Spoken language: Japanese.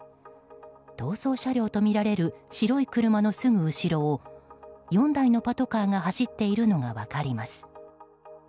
逃走車両とみられる白い車のすぐ後ろを４台のパトカーが走っているのが分かります。